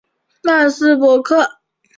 曼斯帕克。